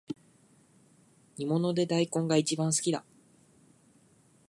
煮物で大根がいちばん好きだ